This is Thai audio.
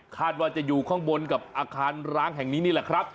คาดว่าจะอยู่ข้างบนกับอาคารร้างแห่งนี้นี่แหละครับ